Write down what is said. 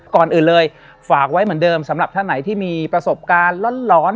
ก่อนอื่นเลยฝากไว้เหมือนเดิมสำหรับท่านไหนที่มีประสบการณ์ร้อน